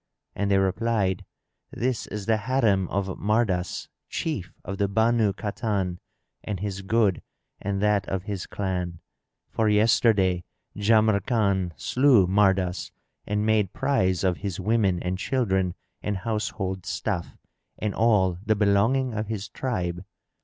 and they replied, "This is the Harim of Mardas, Chief of the Banu Kahtan, and his good and that of his clan; for yesterday Jamrkan slew Mardas and made prize of his women and children and household stuff and all the belonging of his tribe.